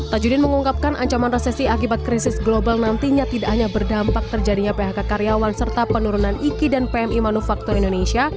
tajudin mengungkapkan ancaman resesi akibat krisis global nantinya tidak hanya berdampak terjadinya phk karyawan serta penurunan iki dan pmi manufaktur indonesia